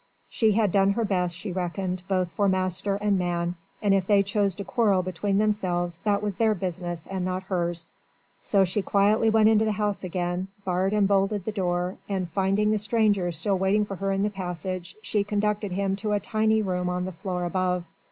She had done her best, she reckoned, both for master and man, and if they chose to quarrel between themselves that was their business and not hers. So she quietly went into the house again; barred and bolted the door, and finding the stranger still waiting for her in the passage she conducted him to a tiny room on the floor above.